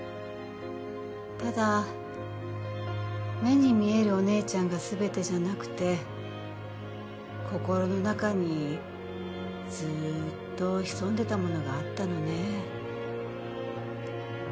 ただ目に見えるお姉ちゃんがすべてじゃなくて心の中にずっと潜んでたものがあったのね。